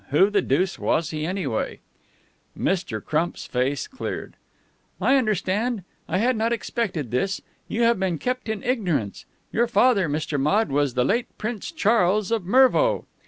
Who the deuce was he, anyway?" Mr. Crump's face cleared. "I understand. I had not expected this. You have been kept in ignorance. Your father, Mr. Maude, was the late Prince Charles of Mervo."